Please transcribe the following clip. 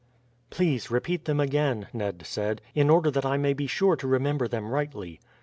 "Please, repeat them again," Ned said, "in order that I may be sure to remember them rightly."